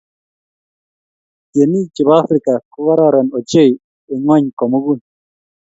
Tienii che bo Afrika ko ororon ochei eng ng'ony komugul.